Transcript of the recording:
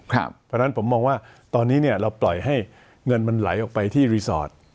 เพราะฉะนั้นผมมองว่าตอนนี้เราปล่อยให้เงินมันไหลออกไปที่รีสอร์ท